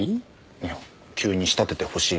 いや急に仕立ててほしいなんて。